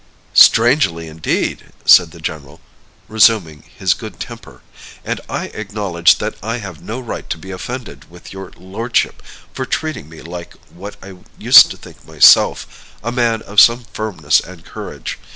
"Strangely indeed!" said the general, resuming his good temper; "and I acknowledge that I have no right to be offended with your lordship for treating me like what I used to think myself a man of some firmness and courage.